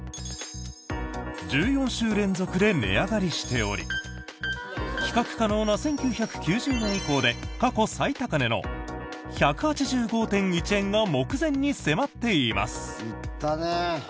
１４週連続で値上がりしており比較可能な１９９０年以降で過去最高値の１８５．１円が目前に迫っています。